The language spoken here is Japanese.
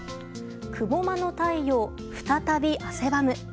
雲間の太陽、再び汗ばむ。